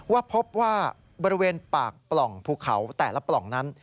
ว่าพบว่าบริเวณปากปล่องภูเขาแต่ละปล่องนั้น